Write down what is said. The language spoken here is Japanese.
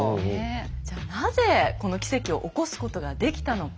じゃなぜこの奇跡を起こすことができたのか。